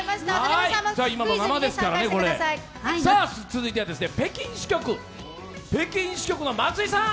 続いては北京支局の松井さん。